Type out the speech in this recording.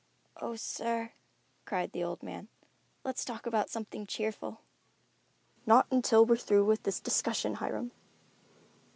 "Oh, sir," cried the old man, "let's talk about something cheerful." "Not until we're through with this discussion, Hiram."